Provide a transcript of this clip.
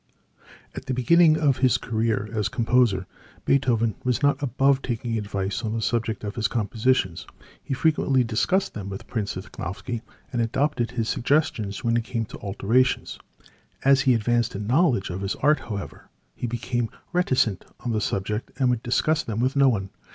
At the beginning of his career as composer, Beethoven was not above taking advice on the subject of his compositions. He frequently discussed them with Prince Lichnowsky, and adopted his suggestions when it came to alterations. As he advanced in knowledge of his art, however, he became reticent on the subject and would discuss them with no one.